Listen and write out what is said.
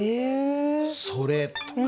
「それ」とか。